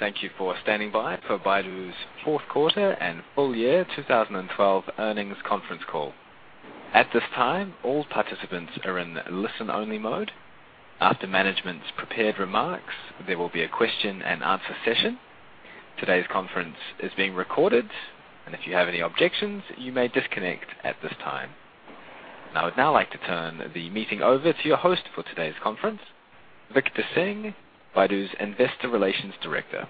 Thank you for standing by for Baidu's fourth quarter and full year 2012 earnings conference call. At this time, all participants are in listen-only mode. After management's prepared remarks, there will be a question and answer session. Today's conference is being recorded, and if you have any objections, you may disconnect at this time. I would now like to turn the meeting over to your host for today's conference, Victor Tseng, Baidu's Investor Relations Director.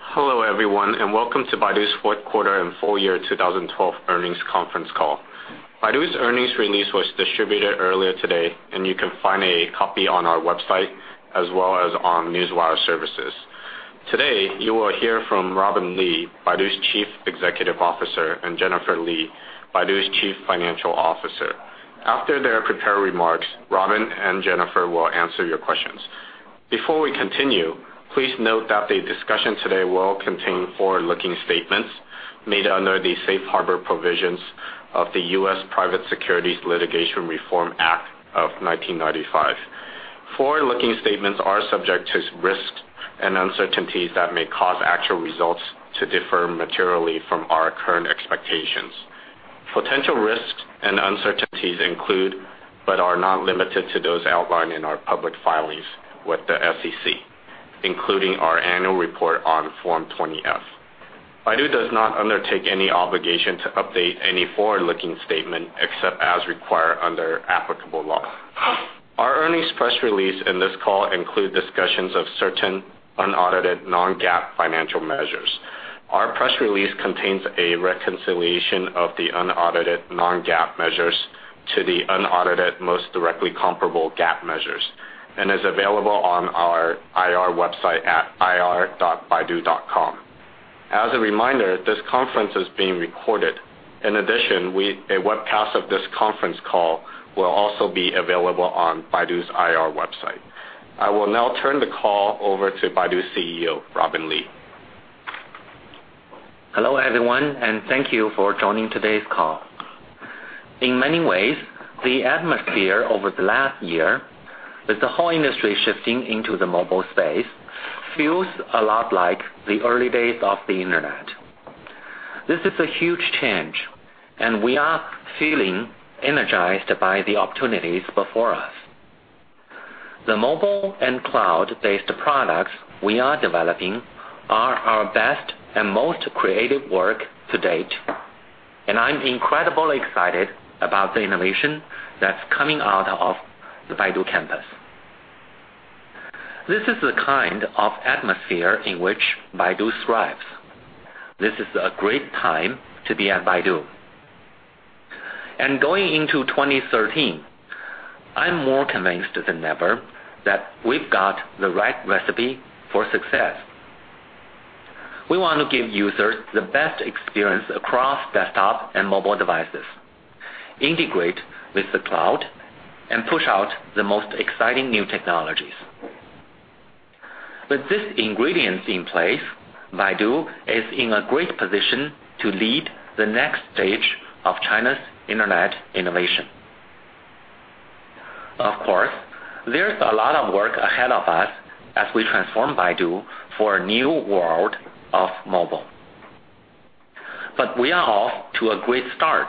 Hello, everyone, welcome to Baidu's fourth quarter and full year 2012 earnings conference call. Baidu's earnings release was distributed earlier today, you can find a copy on our website as well as on Newswire services. Today, you will hear from Robin Li, Baidu's Chief Executive Officer, and Jennifer Li, Baidu's Chief Financial Officer. After their prepared remarks, Robin and Jennifer will answer your questions. Before we continue, please note that the discussion today will contain forward-looking statements made under the safe harbor provisions of the U.S. Private Securities Litigation Reform Act of 1995. Forward-looking statements are subject to risks and uncertainties that may cause actual results to differ materially from our current expectations. Potential risks and uncertainties include, but are not limited to, those outlined in our public filings with the SEC, including our annual report on Form 20-F. Baidu does not undertake any obligation to update any forward-looking statement except as required under applicable law. Our earnings press release and this call include discussions of certain unaudited non-GAAP financial measures. Our press release contains a reconciliation of the unaudited non-GAAP measures to the unaudited most directly comparable GAAP measures and is available on our IR website at ir.baidu.com. As a reminder, this conference is being recorded. In addition, a webcast of this conference call will also be available on Baidu's IR website. I will now turn the call over to Baidu CEO, Robin Li. Hello, everyone, thank you for joining today's call. In many ways, the atmosphere over the last year with the whole industry shifting into the mobile space feels a lot like the early days of the Internet. This is a huge change, we are feeling energized by the opportunities before us. The mobile and cloud-based products we are developing are our best and most creative work to date, I'm incredibly excited about the innovation that's coming out of the Baidu campus. This is the kind of atmosphere in which Baidu thrives. This is a great time to be at Baidu. Going into 2013, I'm more convinced than ever that we've got the right recipe for success. We want to give users the best experience across desktop and mobile devices, integrate with the cloud, and push out the most exciting new technologies. With these ingredients in place, Baidu is in a great position to lead the next stage of China's internet innovation. Of course, there's a lot of work ahead of us as we transform Baidu for a new world of mobile. But we are off to a great start.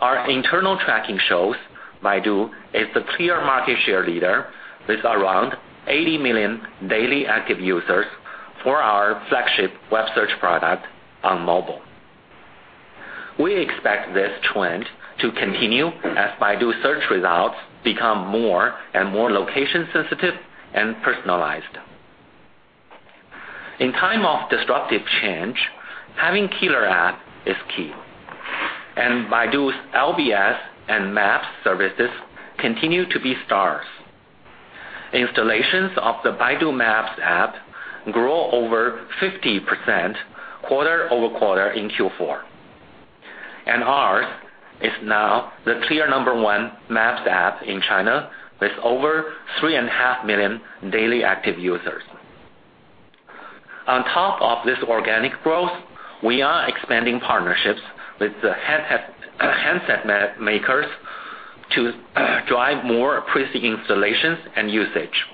Our internal tracking shows Baidu is the clear market share leader with around 80 million daily active users for our flagship web search product on mobile. We expect this trend to continue as Baidu search results become more and more location sensitive and personalized. In time of disruptive change, having killer app is key, and Baidu's LBS and maps services continue to be stars. Installations of the Baidu Maps app grow over 50% quarter-over-quarter in Q4. Ours is now the clear number 1 maps app in China with over 3.5 million daily active users. On top of this organic growth, we are expanding partnerships with handset makers to drive more pre-installations and usage.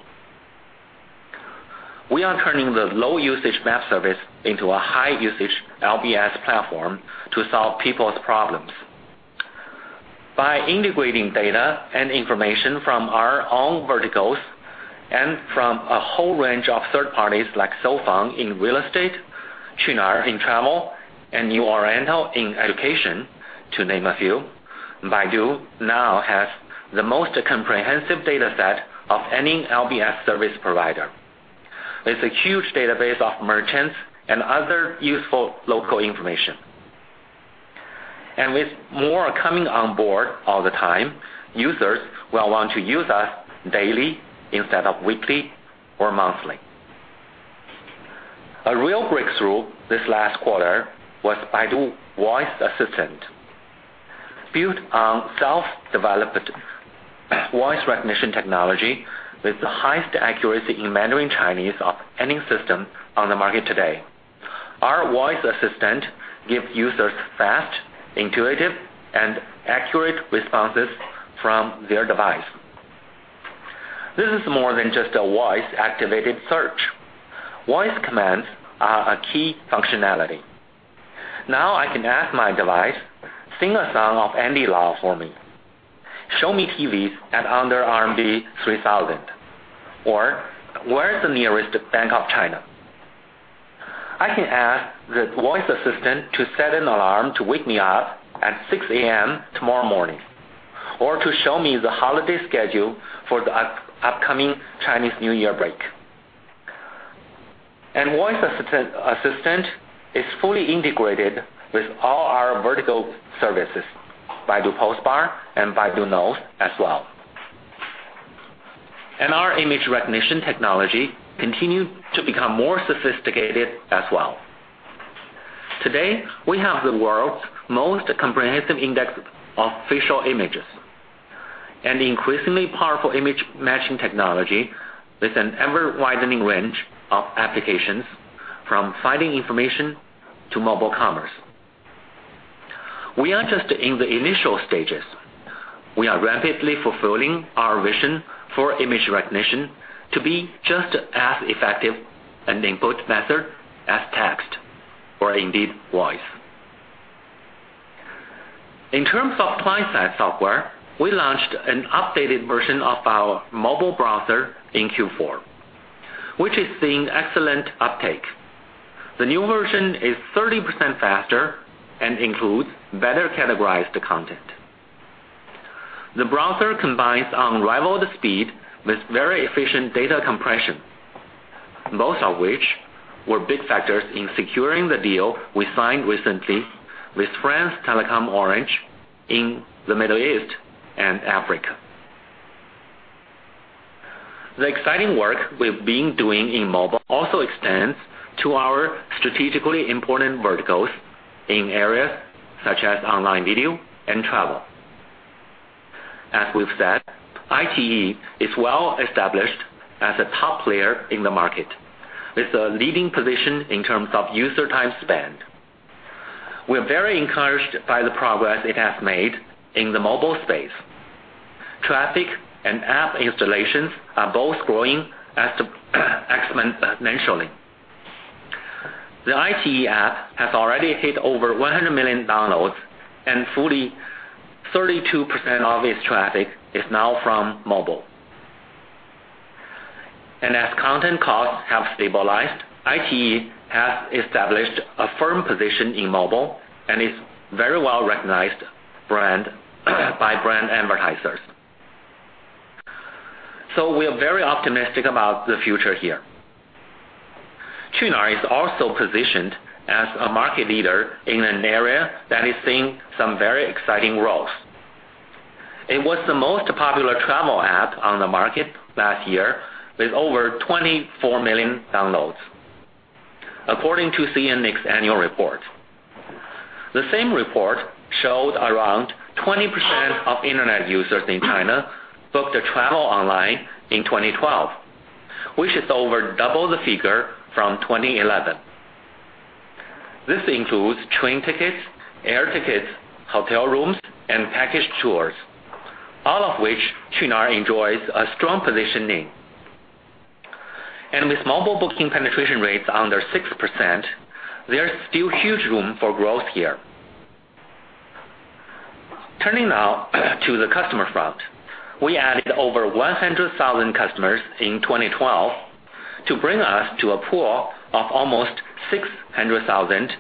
We are turning the low-usage map service into a high-usage LBS platform to solve people's problems. By integrating data and information from our own verticals and from a whole range of third parties like SouFun in real estate, Qunar in travel, and New Oriental in education, to name a few, Baidu now has the most comprehensive data set of any LBS service provider. With a huge database of merchants and other useful local information. With more coming on board all the time, users will want to use us daily instead of weekly or monthly. A real breakthrough this last quarter was Baidu Voice Assistant. Built on self-developed voice recognition technology with the highest accuracy in Mandarin Chinese of any system on the market today. Our voice assistant gives users fast, intuitive, and accurate responses from their device. This is more than just a voice-activated search. Voice commands are a key functionality. Now I can ask my device, "Sing a song of Andy Lau for me. Show me TVs at under RMB 3,000." Or, "Where's the nearest Bank of China?" I can ask the voice assistant to set an alarm to wake me up at 6:00 A.M. tomorrow morning, or to show me the holiday schedule for the upcoming Chinese New Year break. Voice assistant is fully integrated with all our vertical services, Baidu Tieba, and Baidu Knows as well. Our image recognition technology continue to become more sophisticated as well. Today, we have the world's most comprehensive index of facial images and increasingly powerful image matching technology with an ever-widening range of applications, from finding information to mobile commerce. We are just in the initial stages. We are rapidly fulfilling our vision for image recognition to be just as effective an input method as text or indeed voice. In terms of client-side software, we launched an updated version of our Baidu Browser in Q4, which has seen excellent uptake. The new version is 30% faster and includes better-categorized content. The browser combines unrivaled speed with very efficient data compression, both of which were big factors in securing the deal we signed recently with France Telecom-Orange in the Middle East and Africa. The exciting work we've been doing in mobile also extends to our strategically important verticals in areas such as online video and travel. As we've said, iQIYI is well established as a top player in the market, with a leading position in terms of user time spent. We're very encouraged by the progress it has made in the mobile space. Traffic and app installations are both growing exponentially. The iQIYI app has already hit over 100 million downloads, and 32% of its traffic is now from mobile. As content costs have stabilized, iQIYI has established a firm position in mobile and is very well-recognized by brand advertisers. We are very optimistic about the future here. Qunar is also positioned as a market leader in an area that is seeing some very exciting growth. It was the most popular travel app on the market last year, with over 24 million downloads, according to CNNIC's annual report. The same report showed around 20% of internet users in China booked their travel online in 2012, which is over double the figure from 2011. This includes train tickets, air tickets, hotel rooms, and package tours, all of which Qunar enjoys a strong position in. With mobile booking penetration rates under 6%, there's still huge room for growth here. Turning now to the customer front. We added over 100,000 customers in 2012 to bring us to a pool of almost 600,000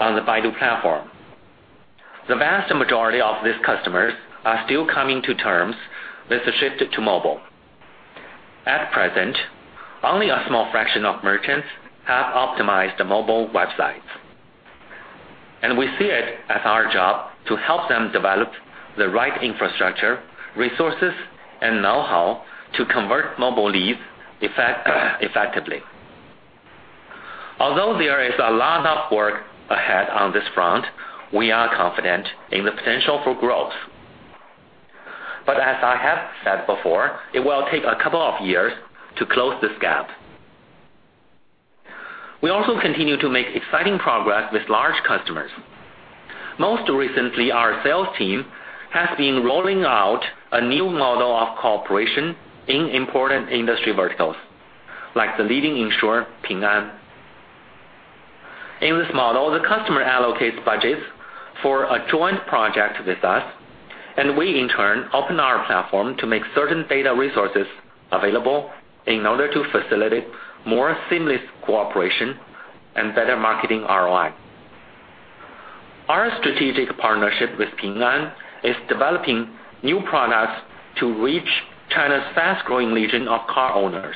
on the Baidu platform. The vast majority of these customers are still coming to terms with the shift to mobile. At present, only a small fraction of merchants have optimized mobile websites. We see it as our job to help them develop the right infrastructure, resources, and know-how to convert mobile leads effectively. Although there is a lot of work ahead on this front, we are confident in the potential for growth. As I have said before, it will take a couple of years to close this gap. We also continue to make exciting progress with large customers. Most recently, our sales team has been rolling out a new model of cooperation in important industry verticals, like the leading insurer, Ping An. In this model, the customer allocates budgets for a joint project with us, and we, in turn, open our platform to make certain data resources available in order to facilitate more seamless cooperation and better marketing ROI. Our strategic partnership with Ping An is developing new products to reach China's fast-growing legion of car owners.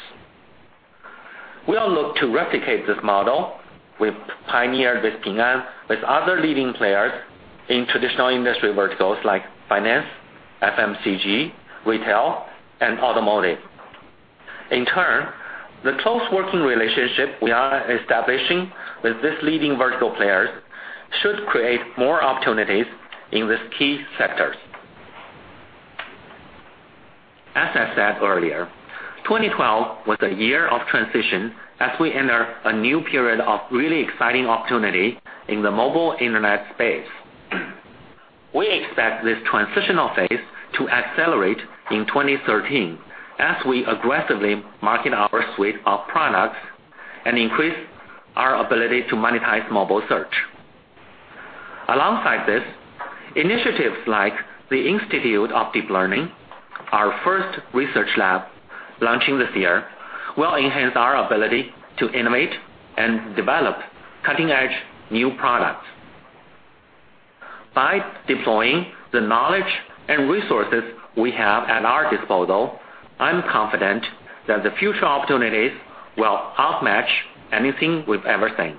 We all look to replicate this model we've pioneered with Ping An with other leading players in traditional industry verticals like finance, FMCG, retail, and automotive. In turn, the close working relationship we are establishing with these leading vertical players should create more opportunities in these key sectors. As I said earlier, 2012 was a year of transition as we enter a new period of really exciting opportunity in the mobile internet space. We expect this transitional phase to accelerate in 2013 as we aggressively market our suite of products and increase our ability to monetize mobile search. Alongside this, initiatives like the Institute of Deep Learning, our first research lab launching this year, will enhance our ability to innovate and develop cutting-edge new products. By deploying the knowledge and resources we have at our disposal, I'm confident that the future opportunities will outmatch anything we've ever seen.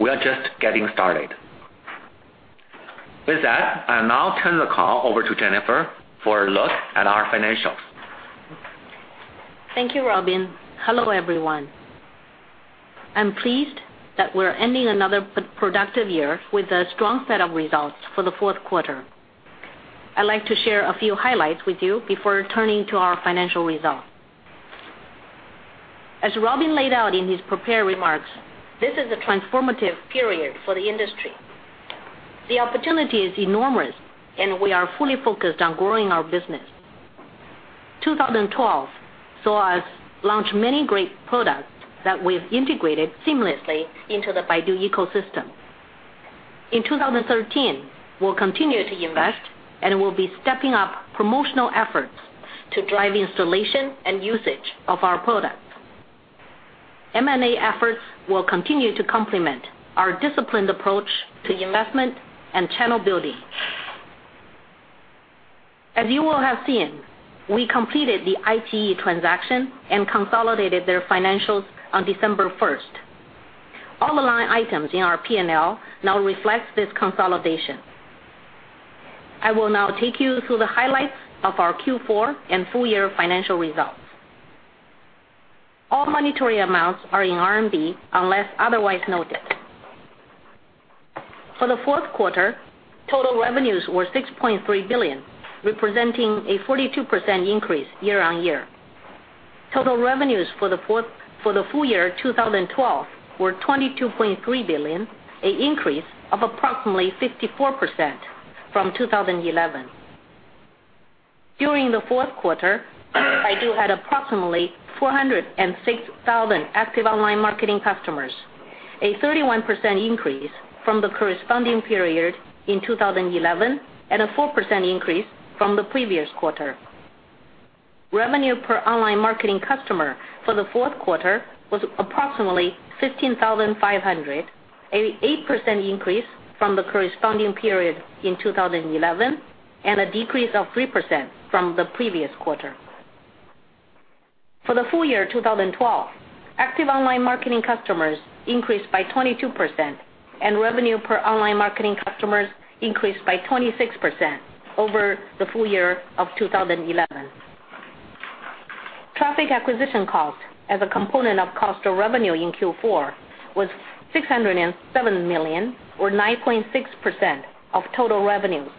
We are just getting started. With that, I'll now turn the call over to Jennifer for a look at our financials. Thank you, Robin. Hello, everyone. I'm pleased that we're ending another productive year with a strong set of results for the fourth quarter. I'd like to share a few highlights with you before turning to our financial results. As Robin laid out in his prepared remarks, this is a transformative period for the industry. The opportunity is enormous, and we are fully focused on growing our business. 2012 saw us launch many great products that we've integrated seamlessly into the Baidu ecosystem. In 2013, we'll continue to invest, and we'll be stepping up promotional efforts to drive installation and usage of our products. M&A efforts will continue to complement our disciplined approach to investment and channel building. As you will have seen, we completed the iQIYI transaction and consolidated their financials on December 1st. All the line items in our P&L now reflect this consolidation. I will now take you through the highlights of our Q4 and full year financial results. All monetary amounts are in RMB unless otherwise noted. For the fourth quarter, total revenues were 6.3 billion, representing a 42% increase year-on-year. Total revenues for the full year 2012 were RMB 22.3 billion, an increase of approximately 54% from 2011. During the fourth quarter, Baidu had approximately 406,000 active online marketing customers, a 31% increase from the corresponding period in 2011 and a 4% increase from the previous quarter. Revenue per online marketing customer for the fourth quarter was approximately 15,500, an 8% increase from the corresponding period in 2011, and a decrease of 3% from the previous quarter. For the full year 2012, active online marketing customers increased by 22%, and revenue per online marketing customers increased by 26% over the full year of 2011. Traffic acquisition cost as a component of cost of revenue in Q4 was 607 million or 9.6% of total revenues,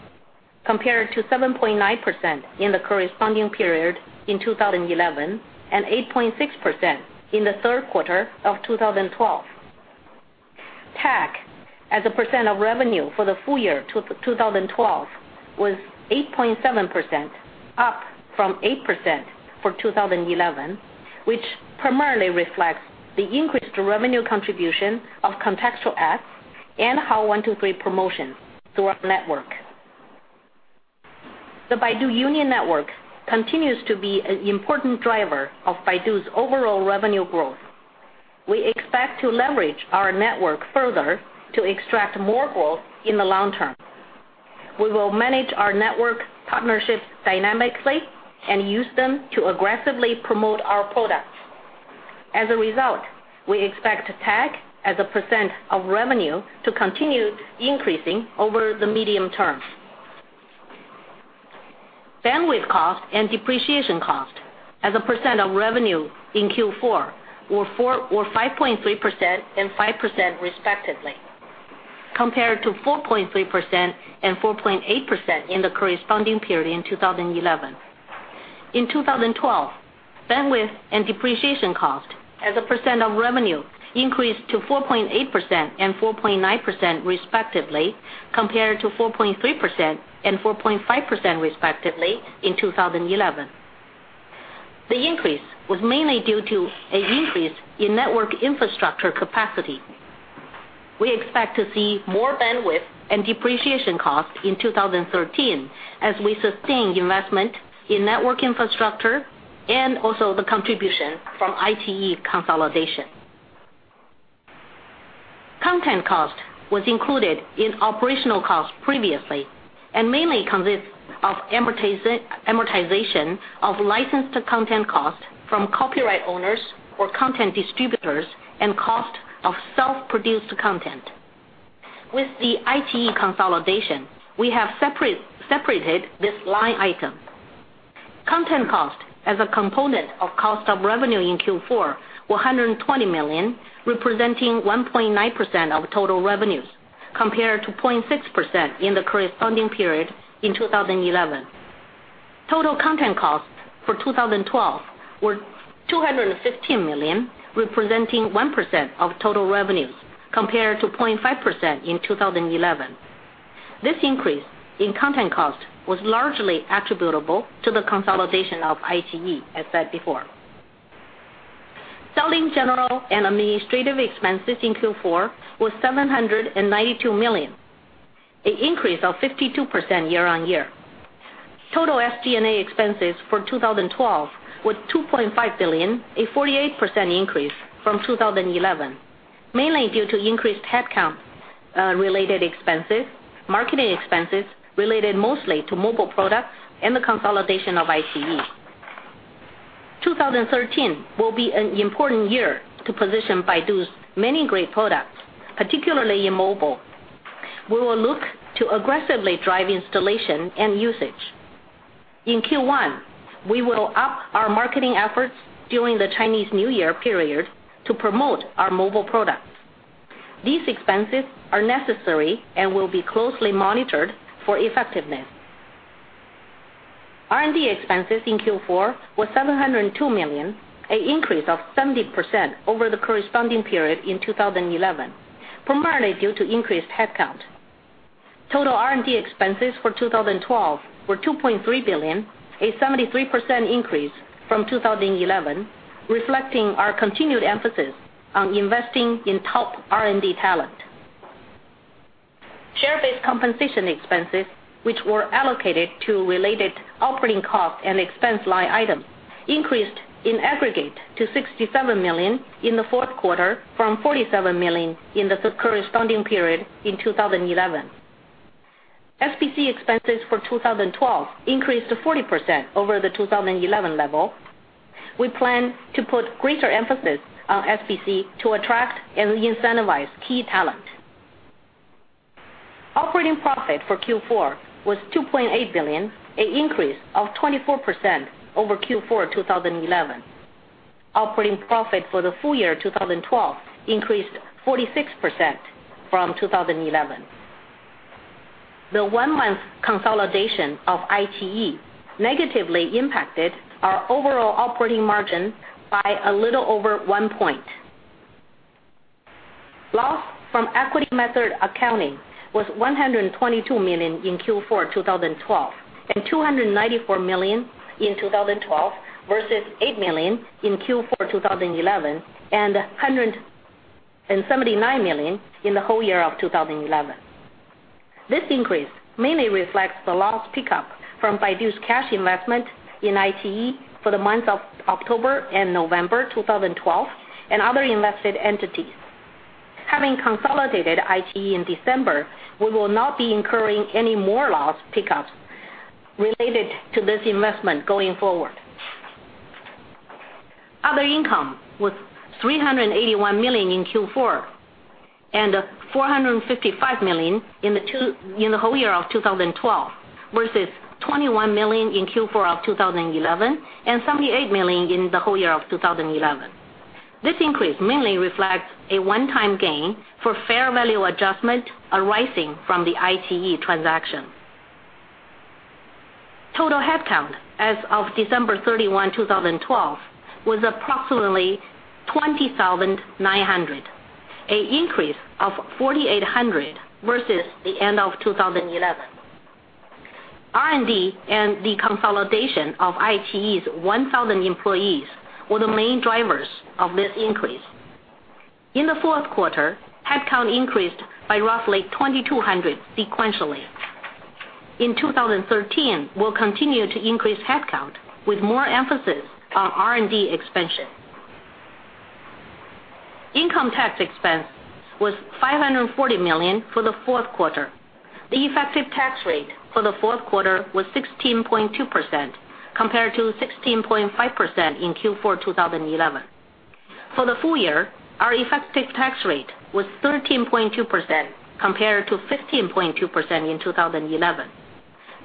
compared to 7.9% in the corresponding period in 2011 and 8.6% in the third quarter of 2012. TAC as a percent of revenue for the full year 2012 was 8.7%, up from 8% for 2011, which primarily reflects the increased revenue contribution of contextual ads and Hao123 promotion through our network. The Baidu Union Network continues to be an important driver of Baidu's overall revenue growth. We expect to leverage our network further to extract more growth in the long term. We will manage our network partnerships dynamically and use them to aggressively promote our products. As a result, we expect TAC as a percent of revenue to continue increasing over the medium term. Bandwidth cost and depreciation cost as a percent of revenue in Q4 were 5.3% and 5%, respectively, compared to 4.3% and 4.8% in the corresponding period in 2011. In 2012, bandwidth and depreciation cost as a percent of revenue increased to 4.8% and 4.9%, respectively, compared to 4.3% and 4.5%, respectively in 2011. The increase was mainly due to an increase in network infrastructure capacity. We expect to see more bandwidth and depreciation costs in 2013 as we sustain investment in network infrastructure and also the contribution from iQIYI consolidation. Content cost was included in operational costs previously and mainly consists of amortization of licensed content cost from copyright owners or content distributors and cost of self-produced content. With the iQIYI consolidation, we have separated this line item. Content cost as a component of cost of revenue in Q4 were 120 million, representing 1.9% of total revenues. Compared to 0.6% in the corresponding period in 2011. Total content costs for 2012 were 215 million, representing 1% of total revenues, compared to 0.5% in 2011. This increase in content cost was largely attributable to the consolidation of iQIYI, as said before. Selling, General & Administrative expenses in Q4 was 792 million, an increase of 52% year-over-year. Total SG&A expenses for 2012 were 2.5 billion, a 48% increase from 2011, mainly due to increased headcount related expenses, marketing expenses related mostly to mobile products, and the consolidation of iQIYI. 2013 will be an important year to position Baidu's many great products, particularly in mobile. We will look to aggressively drive installation and usage. In Q1, we will up our marketing efforts during the Chinese New Year period to promote our mobile products. These expenses are necessary and will be closely monitored for effectiveness. R&D expenses in Q4 were 702 million, an increase of 70% over the corresponding period in 2011, primarily due to increased headcount. Total R&D expenses for 2012 were 2.3 billion, a 73% increase from 2011, reflecting our continued emphasis on investing in top R&D talent. Share-based compensation expenses, which were allocated to related operating costs and expense line items, increased in aggregate to 67 million in the fourth quarter from 47 million in the corresponding period in 2011. SBC expenses for 2012 increased to 40% over the 2011 level. We plan to put greater emphasis on SBC to attract and incentivize key talent. Operating profit for Q4 was 2.8 billion, an increase of 24% over Q4 2011. Operating profit for the full year 2012 increased 46% from 2011. The one-month consolidation of iQIYI negatively impacted our overall operating margin by a little over one point. Loss from equity method accounting was 122 million in Q4 2012 and 294 million in 2012 versus 8 million in Q4 2011 and 179 million in the whole year of 2011. This increase mainly reflects the loss pickup from Baidu's cash investment in iQIYI for the months of October and November 2012 and other invested entities. Having consolidated iQIYI in December, we will not be incurring any more loss pick-ups related to this investment going forward. Other income was 381 million in Q4 and 455 million in the whole year of 2012 versus 21 million in Q4 of 2011 and 78 million in the whole year of 2011. This increase mainly reflects a one-time gain for fair value adjustment arising from the iQIYI transaction. Total headcount as of December 31, 2012, was approximately 20,900, an increase of 4,800 versus the end of 2011. R&D and the consolidation of iQIYI's 1,000 employees were the main drivers of this increase. In the fourth quarter, headcount increased by roughly 2,200 sequentially. In 2013, we will continue to increase headcount with more emphasis on R&D expansion. Income tax expense was 540 million for the fourth quarter. The effective tax rate for the fourth quarter was 16.2%, compared to 16.5% in Q4 2011. For the full year, our effective tax rate was 13.2%, compared to 15.2% in 2011.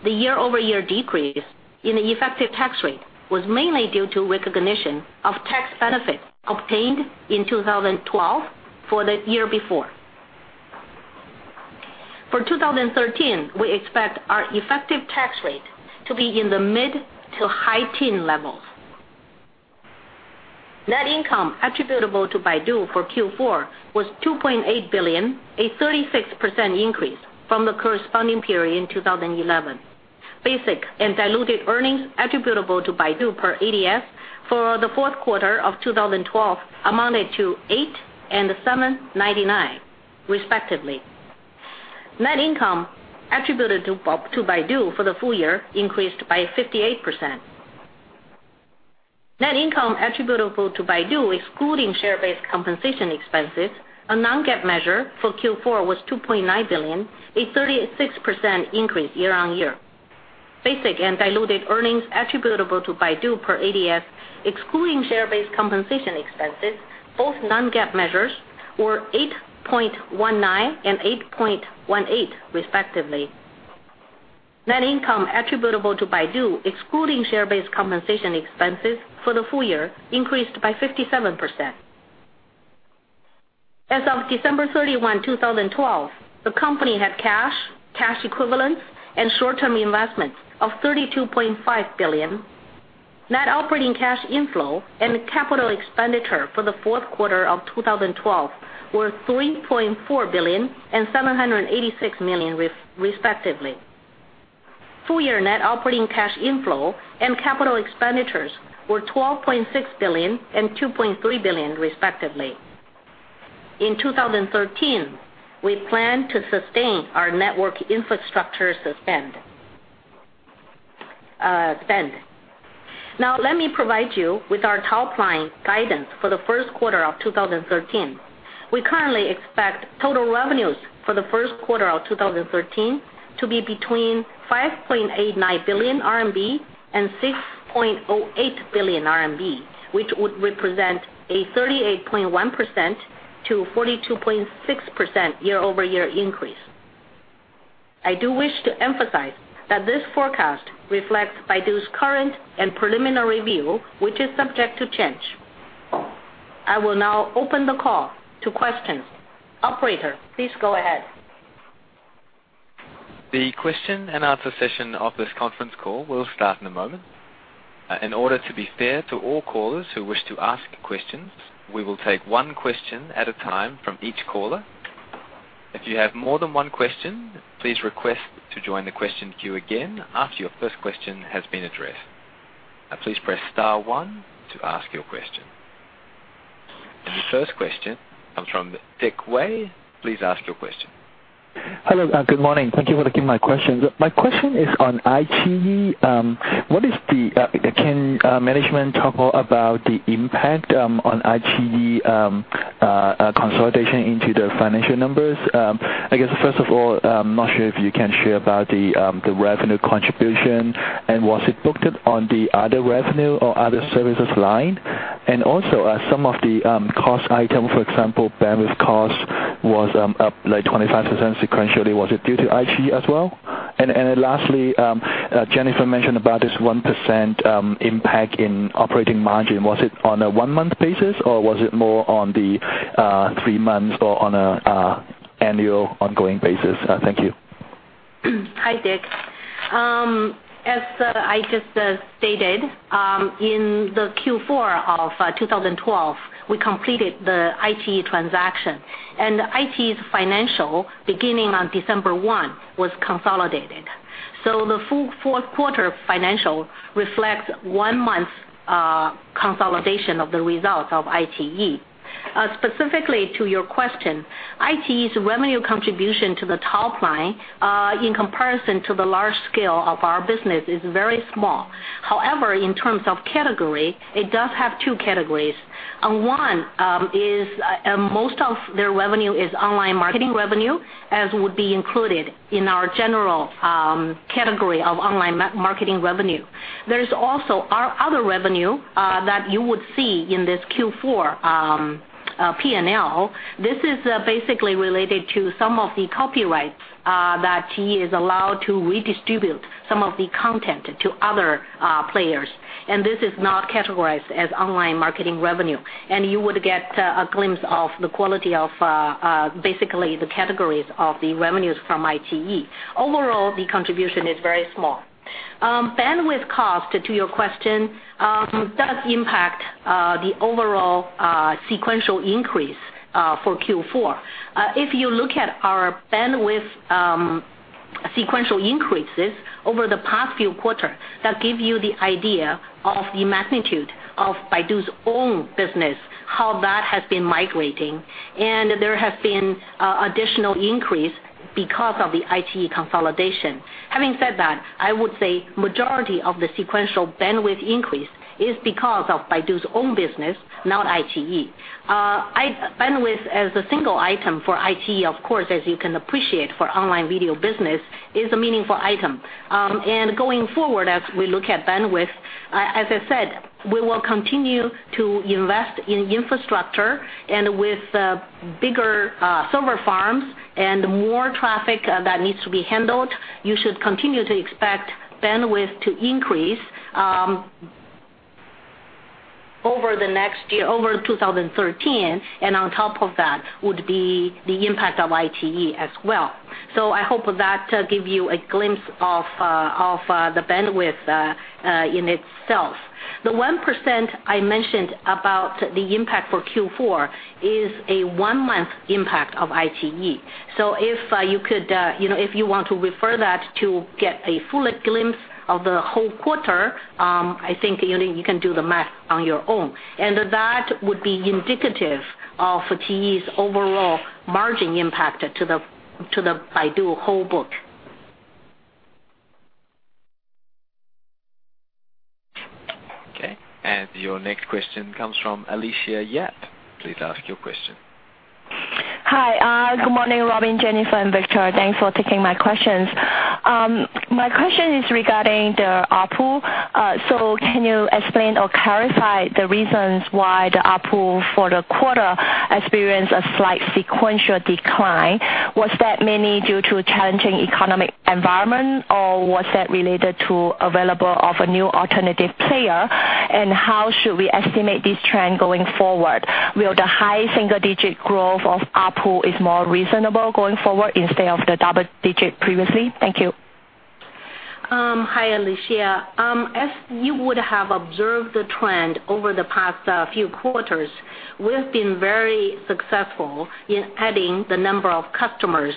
The year-over-year decrease in the effective tax rate was mainly due to recognition of tax benefits obtained in 2012 for the year before. For 2013, we expect our effective tax rate to be in the mid to high teen levels. Net income attributable to Baidu for Q4 was 2.8 billion, a 36% increase from the corresponding period in 2011. Basic and diluted earnings attributable to Baidu per ADS for the fourth quarter of 2012 amounted to 8 and 7.99 respectively. Net income attributed to Baidu for the full year increased by 58%. Net income attributable to Baidu, excluding share-based compensation expenses, a non-GAAP measure for Q4, was 2.9 billion, a 36% increase year-over-year. Basic and diluted earnings attributable to Baidu per ADS, excluding share-based compensation expenses, both non-GAAP measures, were 8.19 and 8.18, respectively. Net income attributable to Baidu, excluding share-based compensation expenses for the full year, increased by 57%. As of December 31st, 2012, the company had cash equivalents, and short-term investments of $32.5 billion. Net operating cash inflow and capital expenditure for the fourth quarter of 2012 were 3.4 billion and 786 million respectively. Full-year net operating cash inflow and capital expenditures were 12.6 billion and 2.3 billion respectively. In 2013, we plan to sustain our network infrastructure spend. Let me provide you with our top-line guidance for the first quarter of 2013. We currently expect total revenues for the first quarter of 2013 to be between 5.89 billion RMB and 6.08 billion RMB, which would represent a 38.1%-42.6% year-over-year increase. I do wish to emphasize that this forecast reflects Baidu's current and preliminary view, which is subject to change. I will now open the call to questions. Operator, please go ahead. The question and answer session of this conference call will start in a moment. In order to be fair to all callers who wish to ask questions, we will take one question at a time from each caller. If you have more than one question, please request to join the question queue again after your first question has been addressed. Please press *1 to ask your question. The first question comes from Dick Wei. Please ask your question. Hello, good morning. Thank you for taking my questions. My question is on iQIYI. Can management talk about the impact on iQIYI consolidation into the financial numbers? I guess, first of all, I'm not sure if you can share about the revenue contribution, and was it booked on the other revenue or other services line? Also, some of the cost items, for example, bandwidth cost was up like 25% sequentially. Was it due to iQIYI as well? Lastly, Jennifer mentioned about this 1% impact in operating margin. Was it on a one-month basis, or was it more on the three months or on an annual ongoing basis? Thank you. Hi, Dick. As I just stated in the Q4 of 2012, we completed the iQIYI transaction. iQIYI's financial beginning on December 1 was consolidated. The full fourth quarter financial reflects one month's consolidation of the results of iQIYI. Specifically to your question, iQIYI's revenue contribution to the top line, in comparison to the large scale of our business, is very small. However, in terms of category, it does have 2 categories. One is most of their revenue is online marketing revenue, as would be included in our general category of online marketing revenue. There's also our other revenue that you would see in this Q4 P&L. This is basically related to some of the copyrights that iQIYI is allowed to redistribute some of the content to other players. This is not categorized as online marketing revenue. You would get a glimpse of the quality of basically the categories of the revenues from iQIYI. Overall, the contribution is very small. Bandwidth cost, to your question, does impact the overall sequential increase for Q4. If you look at our bandwidth sequential increases over the past few quarters, that give you the idea of the magnitude of Baidu's own business, how that has been migrating, and there has been additional increase because of the iQIYI consolidation. Having said that, I would say majority of the sequential bandwidth increase is because of Baidu's own business, not iQIYI. Bandwidth as a single item for iQIYI, of course, as you can appreciate for online video business, is a meaningful item. Going forward, as we look at bandwidth, as I said, we will continue to invest in infrastructure and with bigger server farms and more traffic that needs to be handled, you should continue to expect bandwidth to increase over 2013, and on top of that would be the impact of iQIYI as well. I hope that give you a glimpse of the bandwidth in itself. The 1% I mentioned about the impact for Q4 is a one-month impact of iQIYI. If you want to refer that to get a fuller glimpse of the whole quarter, I think you can do the math on your own. That would be indicative of iQIYI's overall margin impact to the Baidu whole book. Okay. Your next question comes from Alicia Yap. Please ask your question Hi. Good morning, Robin, Jennifer, and Victor. Thanks for taking my questions. My question is regarding the ARPU. Can you explain or clarify the reasons why the ARPU for the quarter experienced a slight sequential decline? Was that mainly due to a challenging economic environment, or was that related to available of a new alternative player? How should we estimate this trend going forward? Will the high single-digit growth of ARPU is more reasonable going forward instead of the double-digit previously? Thank you. Hi, Alicia. As you would have observed the trend over the past few quarters, we've been very successful in adding the number of customers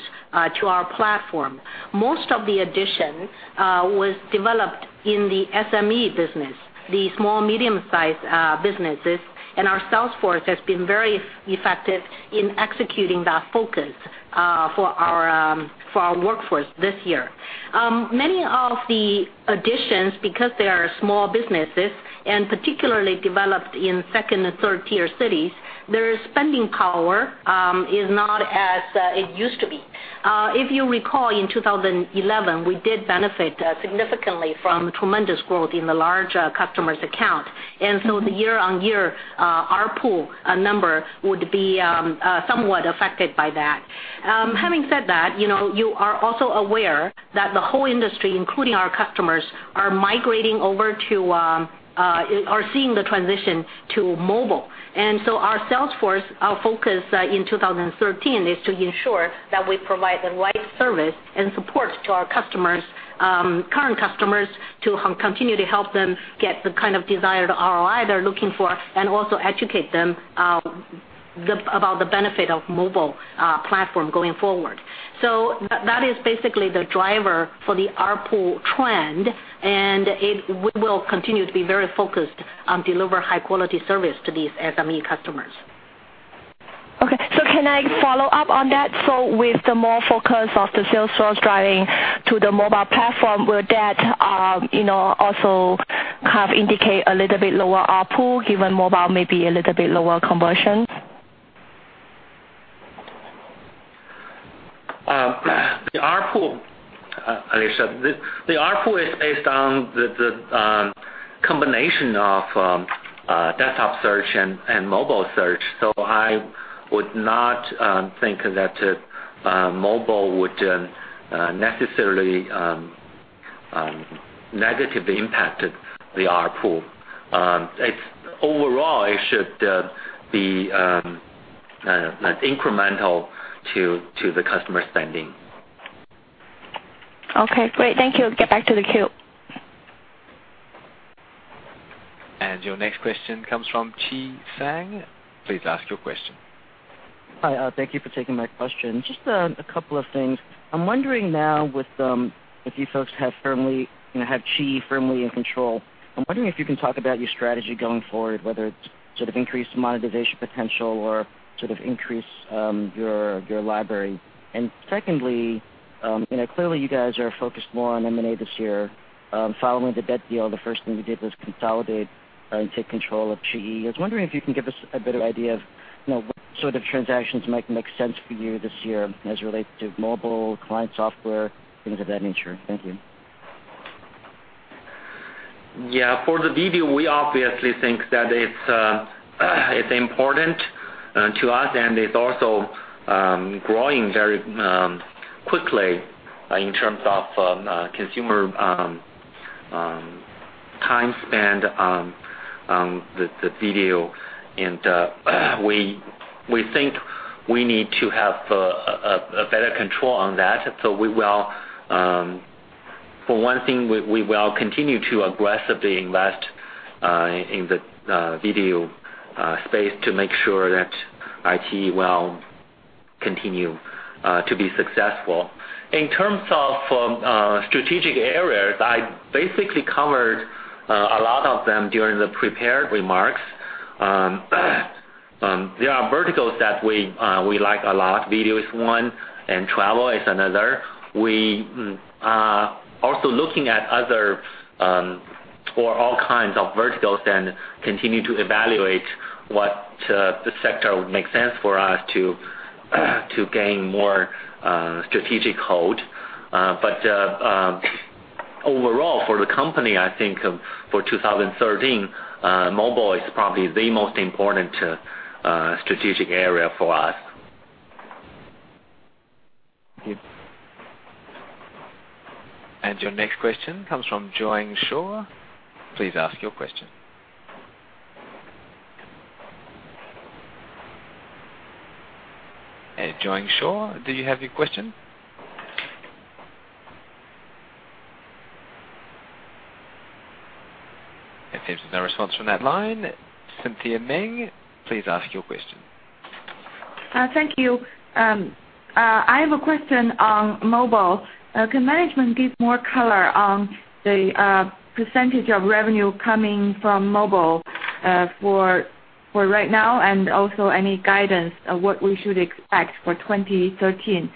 to our platform. Most of the addition was developed in the SME business, the small medium-sized businesses, and our sales force has been very effective in executing that focus for our workforce this year. Many of the additions, because they are small businesses and particularly developed in second and third-tier cities, their spending power is not as it used to be. If you recall, in 2011, we did benefit significantly from tremendous growth in the large customers account. The year-on-year ARPU number would be somewhat affected by that. Having said that, you are also aware that the whole industry, including our customers, are seeing the transition to mobile. Our sales force, our focus in 2013 is to ensure that we provide the right service and support to our current customers to continue to help them get the kind of desired ROI they're looking for and also educate them about the benefit of mobile platform going forward. That is basically the driver for the ARPU trend, and we will continue to be very focused on deliver high-quality service to these SME customers. Okay, can I follow up on that? With the more focus of the sales force driving to the mobile platform, will that also kind of indicate a little bit lower ARPU given mobile may be a little bit lower conversion? The ARPU, Alicia, the ARPU is based on the combination of desktop search and mobile search. I would not think that mobile would necessarily negatively impact the ARPU. Overall, it should be incremental to the customer spending. Okay, great. Thank you. Get back to the queue. Your next question comes from Qi Sang. Please ask your question. Hi. Thank you for taking my question. Just a couple of things. I'm wondering now with, if you folks have iQIYI firmly in control, I'm wondering if you can talk about your strategy going forward, whether it's sort of increased monetization potential or sort of increase your library. Secondly, clearly you guys are focused more on M&A this year. Following the debt deal, the first thing you did was consolidate and take control of iQIYI. I was wondering if you can give us a better idea of what sort of transactions might make sense for you this year as it relates to mobile client software, things of that nature. Thank you. Yeah. For the video, we obviously think that it is important to us, it is also growing very quickly in terms of consumer time spent on the video, and we think we need to have a better control on that. For one thing, we will continue to aggressively invest in the video space to make sure that it will continue to be successful. In terms of strategic areas, I basically covered a lot of them during the prepared remarks. There are verticals that we like a lot. Video is one, and travel is another. We are also looking at other or all kinds of verticals and continue to evaluate what sector would make sense for us to gain more strategic hold. Overall for the company, I think for 2013, mobile is probably the most important strategic area for us. Thank you. Your next question comes from Jiong Shao. Please ask your question. Jiong Shao, do you have your question? It seems there is no response from that line. Cynthia Meng, please ask your question. Thank you. I have a question on mobile. Can management give more color on the % of revenue coming from mobile for right now and also any guidance of what we should expect for 2013?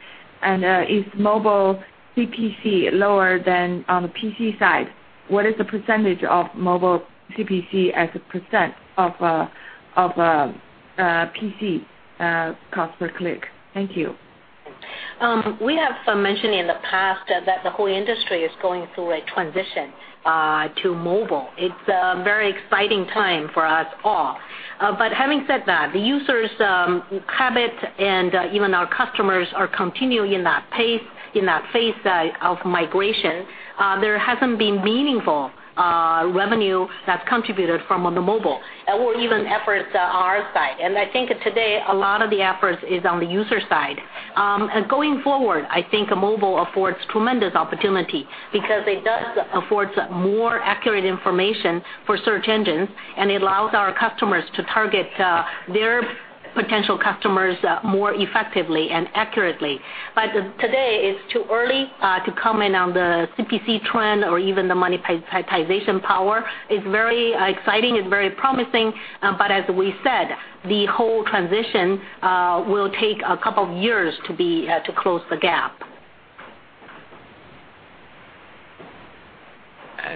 Is mobile CPC lower than on the PC side? What is the % of mobile CPC as a % of PC cost per click? Thank you. We have mentioned in the past that the whole industry is going through a transition to mobile. It's a very exciting time for us all. Having said that, the users habit and even our customers are continuing in that phase of migration. There hasn't been meaningful revenue that's contributed from the mobile or even efforts on our side. I think today, a lot of the efforts is on the user side. Going forward, I think mobile affords tremendous opportunity because it does afford more accurate information for search engines, and it allows our customers to target their potential customers more effectively and accurately. Today it's too early to comment on the CPC trend or even the monetization power. It's very exciting and very promising. As we said, the whole transition will take a couple of years to close the gap.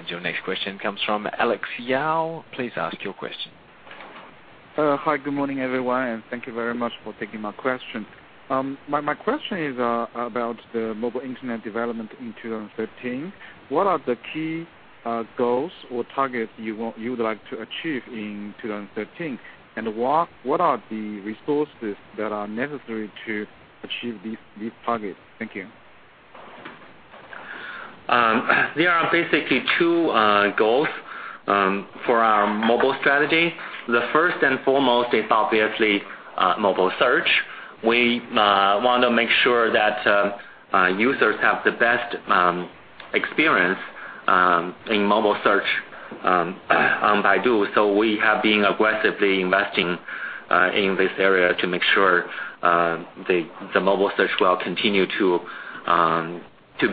Your next question comes from Alex Yao. Please ask your question. Hi, good morning, everyone, and thank you very much for taking my question. My question is about the mobile internet development in 2013. What are the key goals or targets you would like to achieve in 2013? What are the resources that are necessary to achieve these targets? Thank you. There are basically two goals for our mobile strategy. The first and foremost is obviously mobile search. We want to make sure that users have the best experience in mobile search on Baidu, so we have been aggressively investing in this area to make sure the mobile search will continue to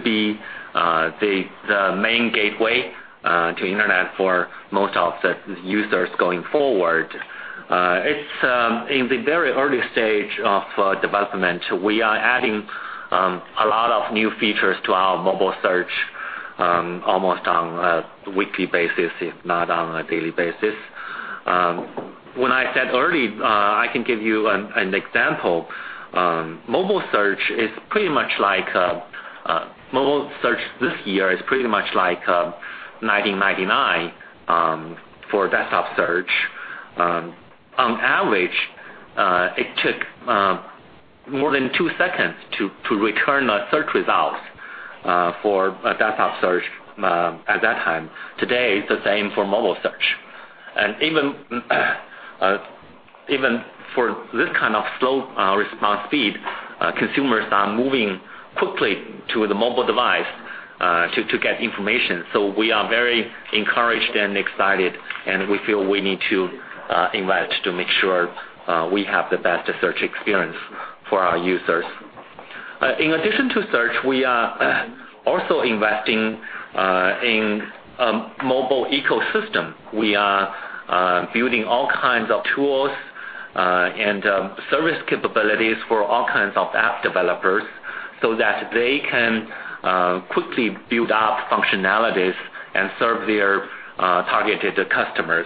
be the main gateway to internet for most of the users going forward. It's in the very early stage of development. We are adding a lot of new features to our mobile search almost on a weekly basis, if not on a daily basis. When I said early, I can give you an example. Mobile search this year is pretty much like 1999 for desktop search. On average, it took more than two seconds to return search results for desktop search at that time. Today, it's the same for mobile search. Even for this kind of slow response speed, consumers are moving quickly to the mobile device to get information. We are very encouraged and excited, and we feel we need to invest to make sure we have the best search experience for our users. In addition to search, we are also investing in mobile ecosystem. We are building all kinds of tools and service capabilities for all kinds of app developers so that they can quickly build up functionalities and serve their targeted customers.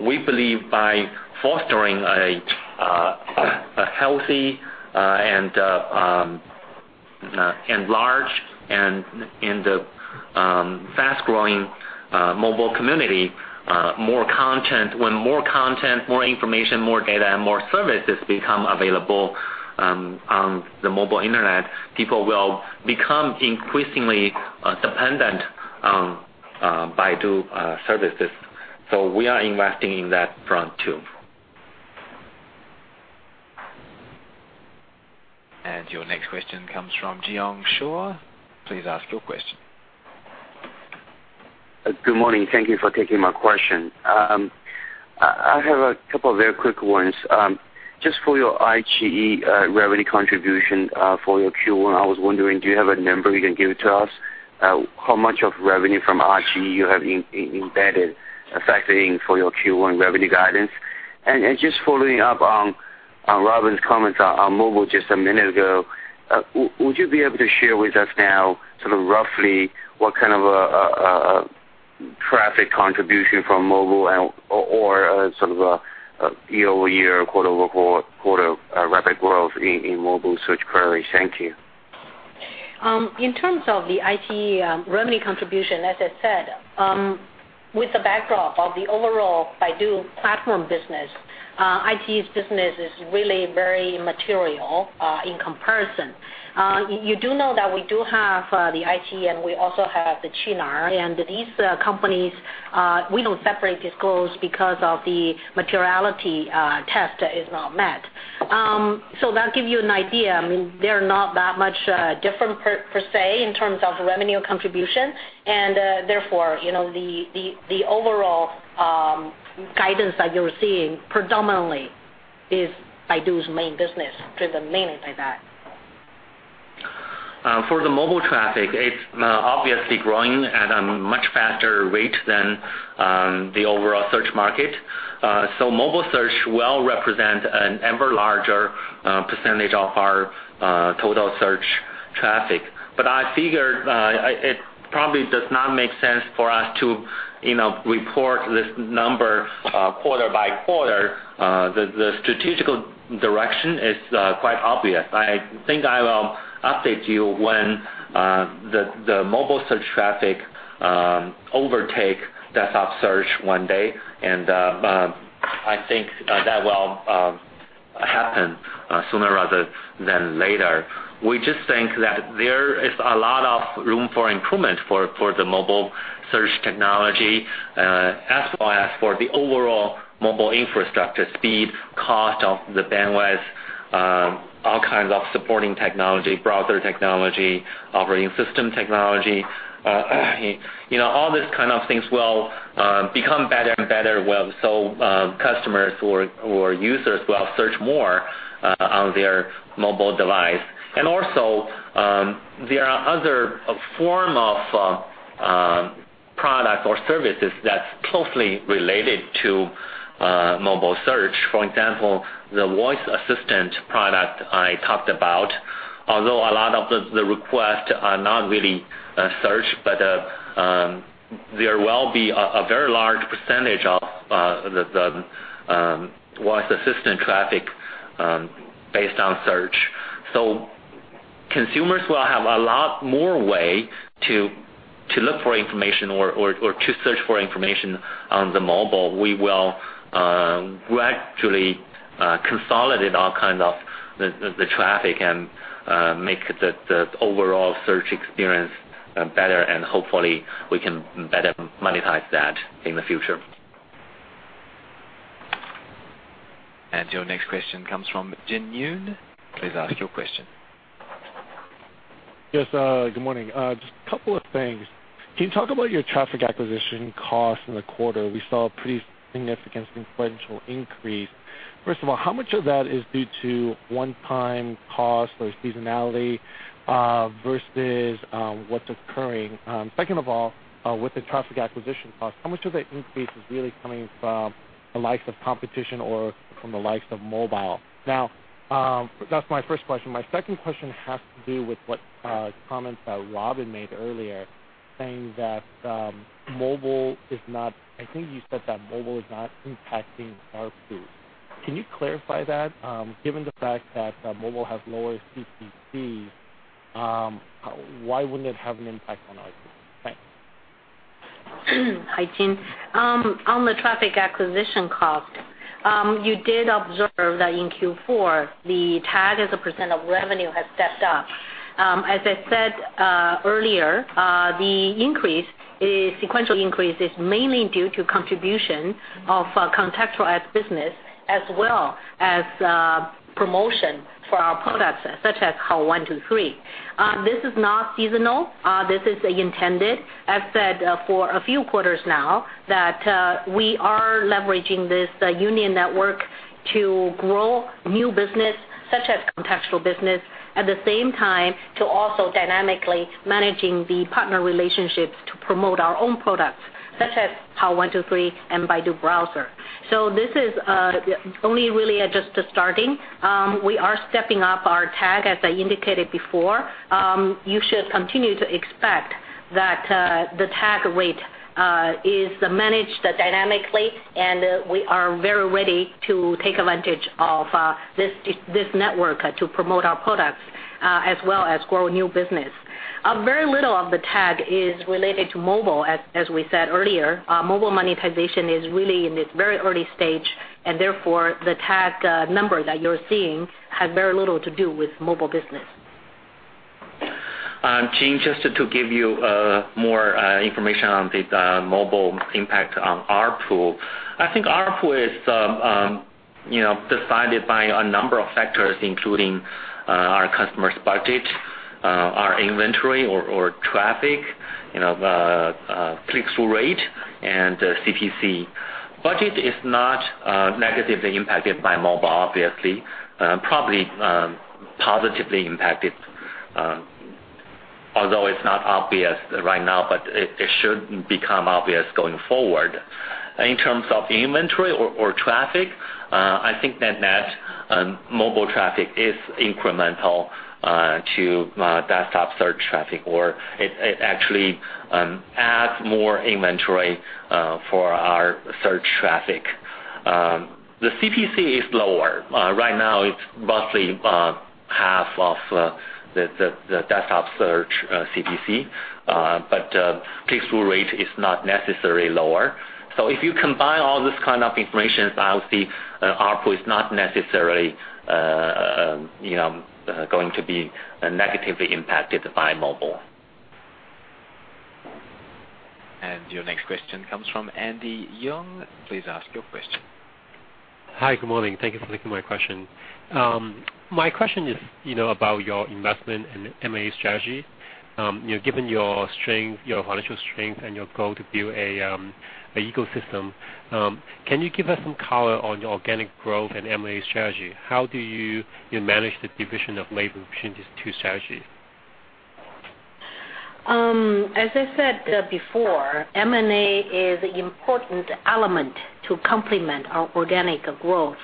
We believe by fostering a healthy and large and the fast-growing mobile community, when more content, more information, more data, and more services become available on the mobile internet, people will become increasingly dependent on Baidu services. We are investing in that front, too. Your next question comes from Jiong Shaa. Please ask your question. Good morning. Thank you for taking my question. I have a couple of very quick ones. Just for your IGE revenue contribution for your Q1, I was wondering, do you have a number you can give to us how much of revenue from IGE you have embedded, factoring for your Q1 revenue guidance? Just following up on Robin's comments on mobile just a minute ago, would you be able to share with us now sort of roughly what kind of a traffic contribution from mobile or sort of a year-over-year, quarter-over-quarter rapid growth in mobile search queries? Thank you. In terms of the IGE revenue contribution, as I said, with the backdrop of the overall Baidu platform business, IGE's business is really very material in comparison. You do know that we do have the IGE and we also have the Qunar. These companies, we don't separate disclose because of the materiality test is not met. That give you an idea. They're not that much different, per se, in terms of revenue contribution. Therefore, the overall guidance that you're seeing predominantly is Baidu's main business driven mainly by that. For the mobile traffic, it's obviously growing at a much faster rate than the overall search market. Mobile search will represent an ever larger percentage of our total search traffic. I figure it probably does not make sense for us to report this number quarter by quarter. The strategic direction is quite obvious. I think I will update you when the mobile search traffic overtakes desktop search one day, and I think that will happen sooner rather than later. We just think that there is a lot of room for improvement for the mobile search technology, as well as for the overall mobile infrastructure, speed, cost of the bandwidth, all kinds of supporting technology, browser technology, operating system technology. All these kind of things will become better and better. Customers or users will search more on their mobile device. Also, there are other forms of products or services that are closely related to mobile search. For example, the Voice Assistant product I talked about, although a lot of the requests are not really search, but there will be a very large percentage of the Voice Assistant traffic based on search. Consumers will have a lot more ways to look for information or to search for information on the mobile. We will gradually consolidate all kinds of the traffic and make the overall search experience better, and hopefully we can better monetize that in the future. Your next question comes from Jin Yoon. Please ask your question. Yes, good morning. Just a couple of things. Can you talk about your Traffic Acquisition Cost in the quarter? We saw a pretty significant sequential increase. First of all, how much of that is due to one-time costs or seasonality, versus what's occurring? Second of all, with the Traffic Acquisition Cost, how much of the increase is really coming from the likes of competition or from the likes of mobile now? That's my first question. My second question has to do with what comments that Robin made earlier, saying that, I think you said that mobile is not impacting ARPU. Can you clarify that? Given the fact that mobile has lower CPC, why wouldn't it have an impact on ARPU? Thanks. Hi, Jin. On the traffic acquisition cost, you did observe that in Q4, the TAC as a % of revenue has stepped up. As I said earlier, the sequential increase is mainly due to contribution of contextual ad business as well as promotion for our products, such as Hao123. This is not seasonal. This is intended. I've said for a few quarters now that we are leveraging this Union network to grow new business such as contextual business, at the same time to also dynamically managing the partner relationships to promote our own products such as Hao123 and Baidu Browser. This is only really just the starting. We are stepping up our TAC, as I indicated before. You should continue to expect that the TAC rate is managed dynamically. We are very ready to take advantage of this network to promote our products, as well as grow new business. Very little of the TAC is related to mobile, as we said earlier. Mobile monetization is really in its very early stage. Therefore, the TAC number that you're seeing had very little to do with mobile business. Jin, just to give you more information on the mobile impact on ARPU. I think ARPU is decided by a number of factors, including our customer's budget, our inventory or traffic, the click-through rate, and CPC. Budget is not negatively impacted by mobile, obviously. Probably positively impacted. Although it's not obvious right now, but it should become obvious going forward. In terms of inventory or traffic, I think that, net mobile traffic is incremental to desktop search traffic, or it actually adds more inventory for our search traffic. The CPC is lower. Right now it's roughly half of the desktop search CPC, but click-through rate is not necessarily lower. If you combine all this kind of information, I would see ARPU is not necessarily going to be negatively impacted by mobile. Your next question comes from Andy Yeung. Please ask your question. Hi. Good morning. Thank you for taking my question. My question is about your investment in M&A strategy. Given your financial strength and your goal to build a ecosystem, can you give us some color on your organic growth and M&A strategy? How do you manage the division of labor between these two strategies? As I said before, M&A is an important element to complement our organic growth.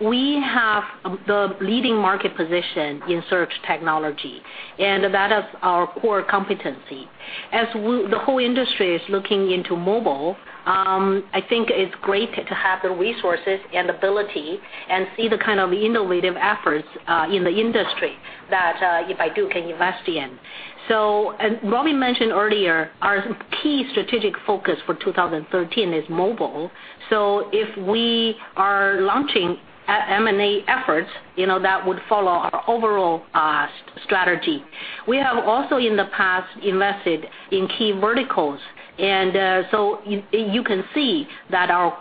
We have the leading market position in search technology, and that is our core competency. As the whole industry is looking into mobile, I think it's great to have the resources and ability and see the kind of innovative efforts in the industry that Baidu can invest in. As Robin mentioned earlier, our key strategic focus for 2013 is mobile. If we are launching M&A efforts, that would follow our overall strategy. We have also, in the past, invested in key verticals. You can see that our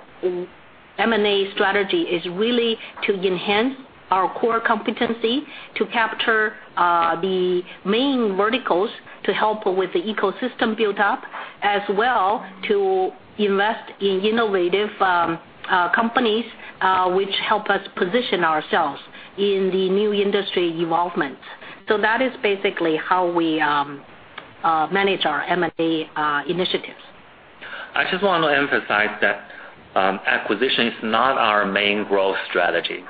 M&A strategy is really to enhance our core competency to capture the main verticals to help with the ecosystem build-up as well to invest in innovative companies, which help us position ourselves in the new industry evolutions. That is basically how we manage our M&A initiatives. I just want to emphasize that acquisition is not our main growth strategy.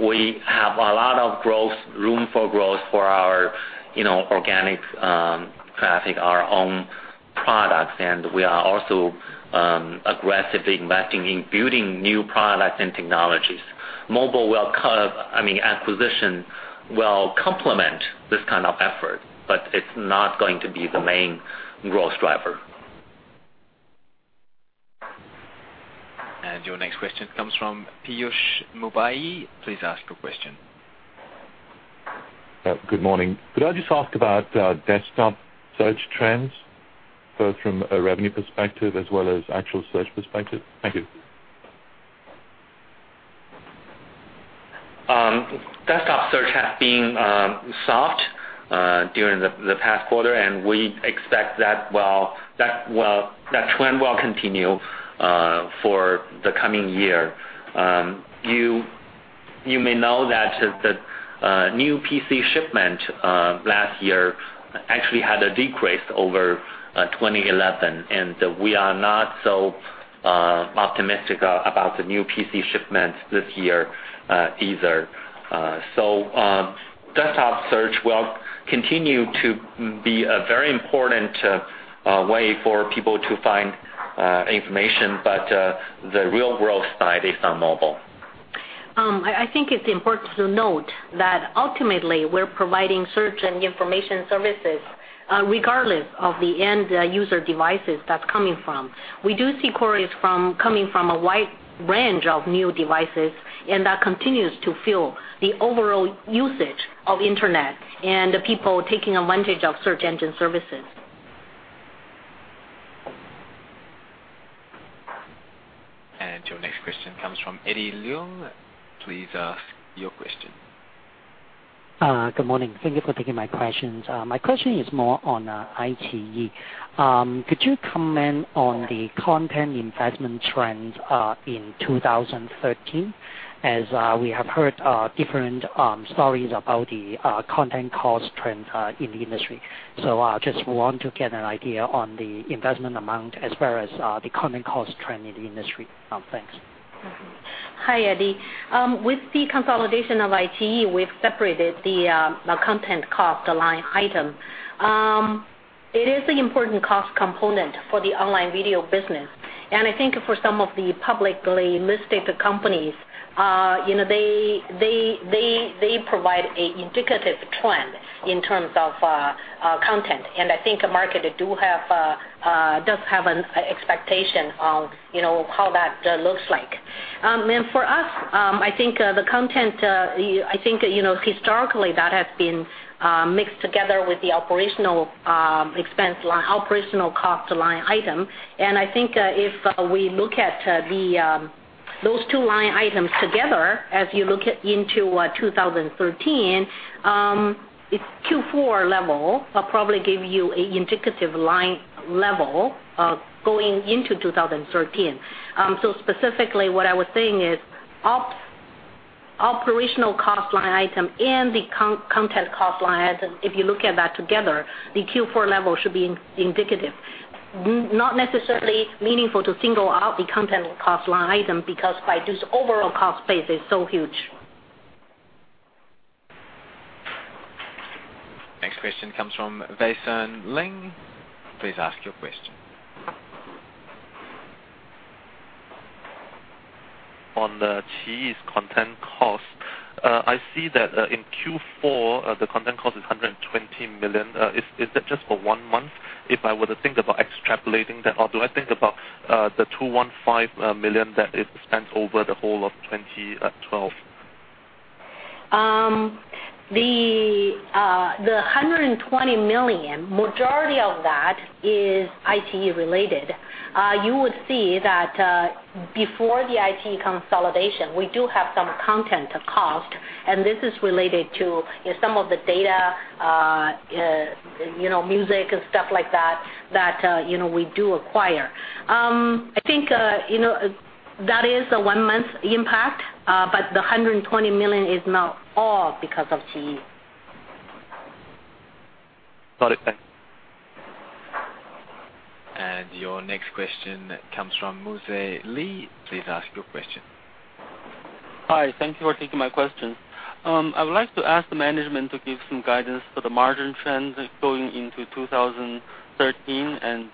We have a lot of room for growth for our organic traffic, our own products, and we are also aggressively investing in building new products and technologies. Mobile acquisition will complement this kind of effort, but it's not going to be the main growth driver. Your next question comes from Piyush Mubayi. Please ask your question. Good morning. Could I just ask about desktop search trends, both from a revenue perspective as well as actual search perspective? Thank you. Desktop search has been soft during the past quarter. We expect that trend will continue for the coming year. You may know that new PC shipment last year actually had a decrease over 2011. We are not so optimistic about the new PC shipments this year either. Desktop search will continue to be a very important way for people to find information, but the real growth side is on mobile. I think it's important to note that ultimately, we're providing search and information services regardless of the end user devices that's coming from. We do see queries coming from a wide range of new devices. That continues to fill the overall usage of internet and people taking advantage of search engine services. Your next question comes from Eddie Leung. Please ask your question. Good morning. Thank you for taking my questions. My question is more on iQIYI. Could you comment on the content investment trends in 2013, as we have heard different stories about the content cost trends in the industry. Just want to get an idea on the investment amount as well as the content cost trend in the industry. Thanks. Hi, Eddie. With the consolidation of iQIYI, we've separated the content cost line item. It is an important cost component for the online video business. I think for some of the publicly listed companies, they provide an indicative trend in terms of content. I think the market does have an expectation of how that looks like. For us, I think historically that has been mixed together with the operational cost line item. I think if we look at those two line items together, as you look into 2013, its Q4 level will probably give you an indicative line level going into 2013. Specifically, what I was saying is operational cost line item and the content cost line item, if you look at that together, the Q4 level should be indicative. Not necessarily meaningful to single out the content cost line item because Baidu's overall cost base is so huge. Next question comes from Vasan Ling. Please ask your question. On the iQIYI's content cost, I see that in Q4, the content cost is 120 million. Is that just for one month? If I were to think about extrapolating that, or do I think about the 215 million that it spends over the whole of 2012? The 120 million, majority of that is iQIYI related. You would see that before the iQIYI consolidation, we do have some content cost, and this is related to some of the data, music and stuff like that we do acquire. That is a one-month impact, but the 120 million is not all because of iQIYI. Got it. Thanks. Your next question comes from Mu Ze Li. Please ask your question. Hi. Thank you for taking my question. I would like to ask the management to give some guidance for the margin trends going into 2013, and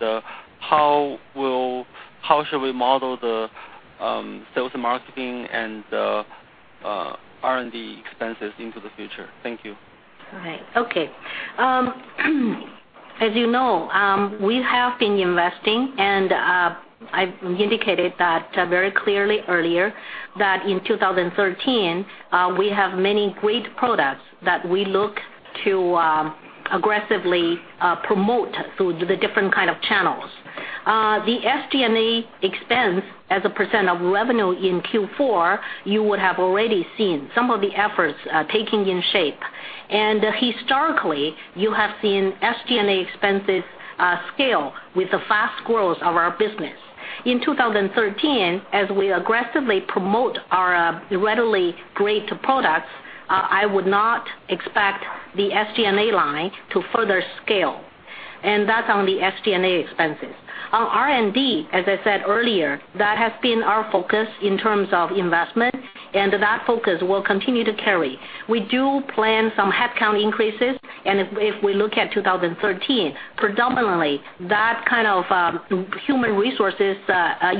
how should we model the sales and marketing and the R&D expenses into the future? Thank you. All right. Okay. As you know, we have been investing, I indicated that very clearly earlier, that in 2013, we have many great products that we look to aggressively promote through the different kind of channels. The SG&A expense as a % of revenue in Q4, you would have already seen some of the efforts taking in shape. Historically, you have seen SG&A expenses scale with the fast growth of our business. In 2013, as we aggressively promote our readily great products, I would not expect the SG&A line to further scale, that's on the SG&A expenses. On R&D, as I said earlier, that has been our focus in terms of investment, that focus will continue to carry. We do plan some headcount increases, if we look at 2013, predominantly, that kind of human resources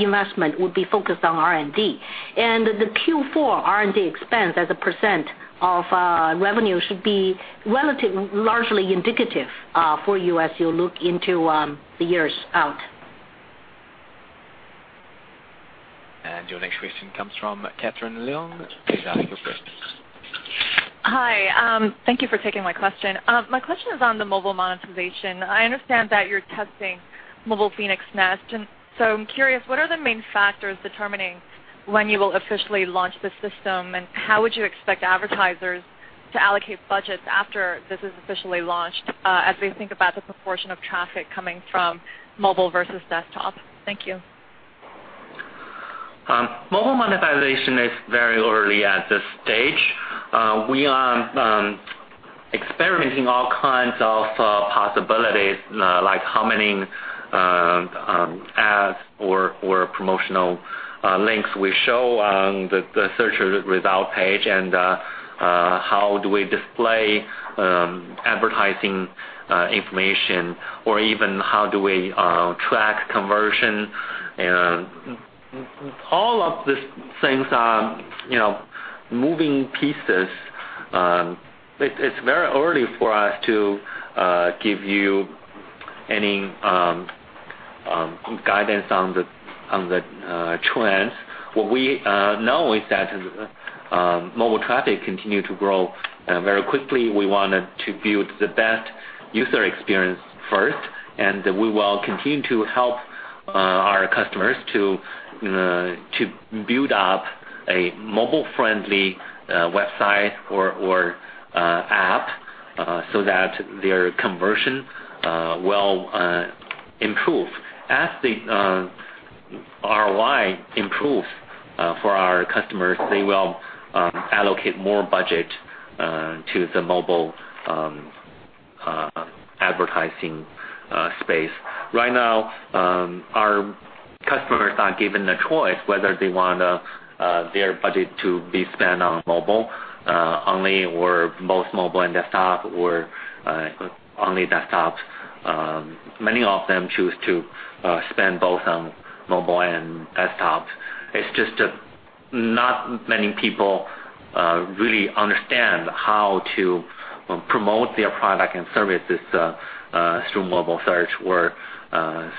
investment would be focused on R&D. The Q4 R&D expense as a % of revenue should be relatively largely indicative for you as you look into the years out. Your next question comes from Catherine Leung. Please ask your question. Hi. Thank you for taking my question. My question is on the mobile monetization. I understand that you're testing mobile Phoenix Nest, and so I'm curious, what are the main factors determining when you will officially launch the system, and how would you expect advertisers to allocate budgets after this is officially launched, as we think about the proportion of traffic coming from mobile versus desktop? Thank you. Mobile monetization is very early at this stage. We are experimenting all kinds of possibilities, like how many ads or promotional links we show on the search result page, and how do we display advertising information or even how do we track conversion, and all of these things are moving pieces. It's very early for us to give you any guidance on the trends. What we know is that mobile traffic continue to grow very quickly. We wanted to build the best user experience first, and we will continue to help our customers to build up a mobile-friendly website or app so that their conversion will improve. As the ROI improves for our customers, they will allocate more budget to the mobile advertising space. Right now, our customers are given a choice whether they want their budget to be spent on mobile only or both mobile and desktop or only desktops. Many of them choose to spend both on mobile and desktops. It's just not many people really understand how to promote their product and services through mobile search or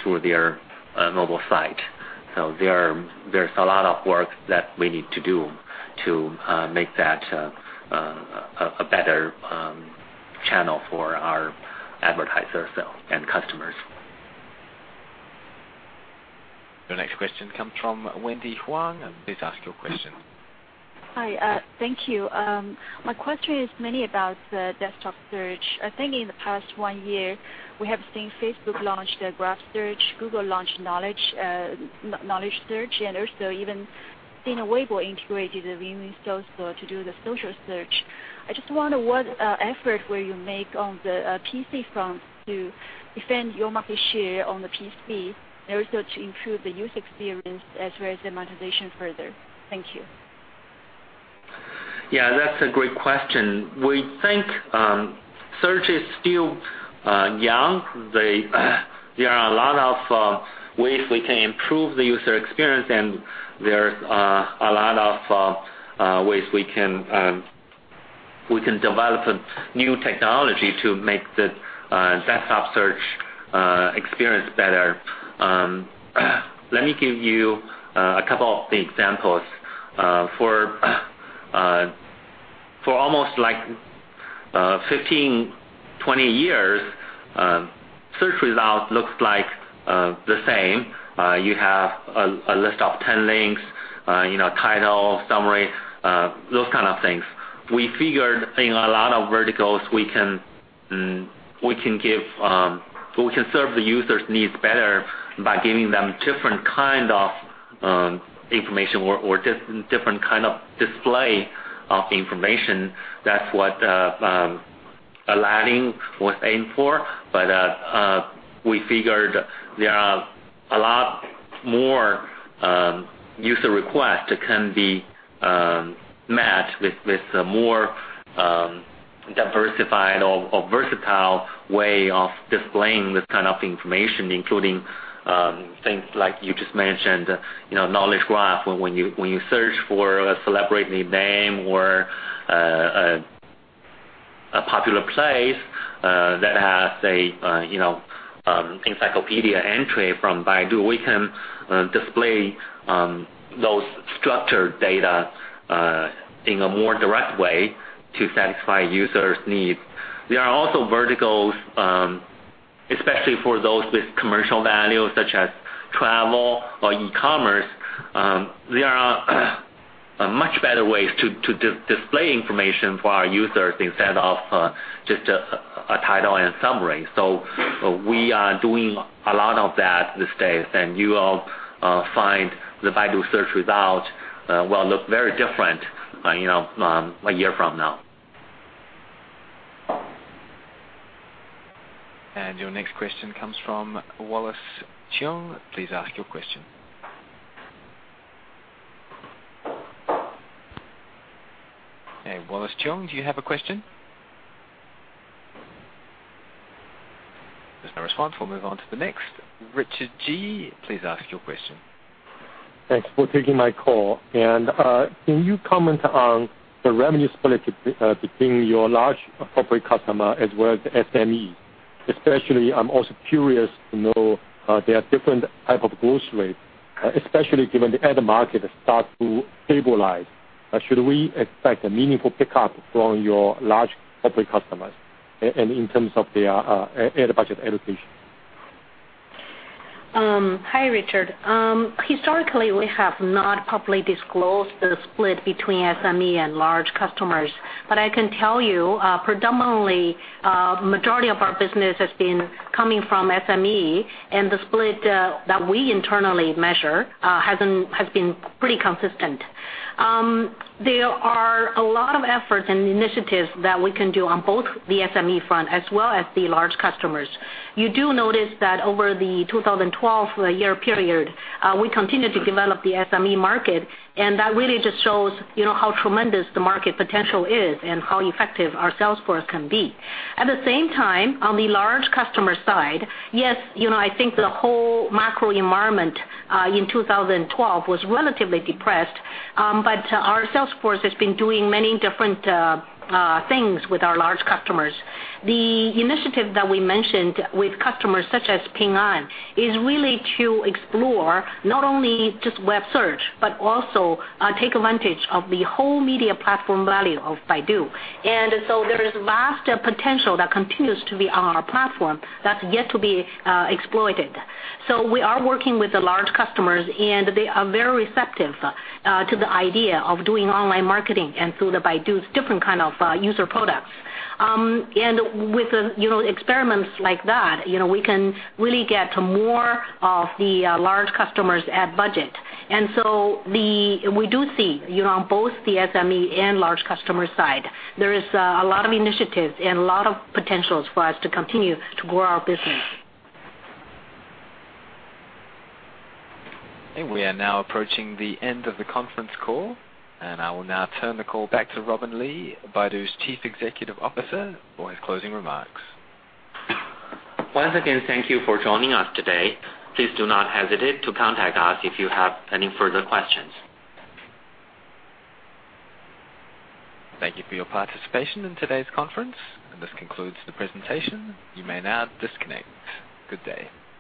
through their mobile site. There's a lot of work that we need to do to make that a better channel for our advertisers and customers. Your next question comes from Wendy Huang. Please ask your question. Hi. Thank you. My question is mainly about the desktop search. I think in the past one year, we have seen Facebook launch their Graph Search, Google launch Knowledge Graph, and also even Sina Weibo integrated the Renren social to do the social search. I just wonder what effort will you make on the PC front to defend your market share on the PC, and also to improve the user experience as well as the monetization further. Thank you. Yeah, that's a great question. We think search is still young. There are a lot of ways we can improve the user experience, and there's a lot of ways we can develop a new technology to make the desktop search experience better. Let me give you a couple of the examples. For almost 15, 20 years, search result looks like the same. You have a list of 10 links, title, summary, those kind of things. We figured in a lot of verticals, we can serve the users' needs better by giving them different kind of information or different kind of display of information. That's what Aladdin was aimed for. We figured there are a lot more user requests that can be matched with a more diversified or versatile way of displaying this kind of information, including things like you just mentioned, Knowledge Graph. When you search for a celebrity name or a popular place that has an encyclopedia entry from Baidu, we can display those structured data in a more direct way to satisfy users' needs. There are also verticals, especially for those with commercial value, such as travel or e-commerce. There are much better ways to display information for our users instead of just a title and summary. We are doing a lot of that these days, and you will find the Baidu search result will look very different a year from now. Your next question comes from Wallace Cheung. Please ask your question. Hey, Wallace Cheung, do you have a question? There is no response. We will move on to the next. Richard Ji, please ask your question. Thanks for taking my call. Can you comment on the revenue split between your large corporate customer as well as the SMEs? Especially, I am also curious to know their different type of growth rate, especially given the ad market start to stabilize. Should we expect a meaningful pickup from your large corporate customers in terms of their ad budget allocation? Hi, Richard. Historically, we have not publicly disclosed the split between SME and large customers. I can tell you, predominantly, majority of our business has been coming from SME, and the split that we internally measure has been pretty consistent. There are a lot of efforts and initiatives that we can do on both the SME front as well as the large customers. You do notice that over the 2012 year period, we continued to develop the SME market, that really just shows how tremendous the market potential is and how effective our sales force can be. At the same time, on the large customer side, yes, I think the whole macro environment, in 2012 was relatively depressed. Our sales force has been doing many different things with our large customers. The initiative that we mentioned with customers such as Ping An is really to explore not only just web search, but also take advantage of the whole media platform value of Baidu. There is vast potential that continues to be on our platform that is yet to be exploited. We are working with the large customers, they are very receptive to the idea of doing online marketing and through the Baidu's different kind of user products. With experiments like that, we can really get to more of the large customers' ad budget. We do see, on both the SME and large customer side, there is a lot of initiatives and a lot of potentials for us to continue to grow our business. Okay. We are now approaching the end of the conference call. I will now turn the call back to Robin Li, Baidu's Chief Executive Officer, for his closing remarks. Once again, thank you for joining us today. Please do not hesitate to contact us if you have any further questions. Thank you for your participation in today's conference. This concludes the presentation. You may now disconnect. Good day